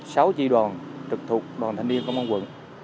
sáu chi đoàn trực thuộc đoàn thanh niên công an quận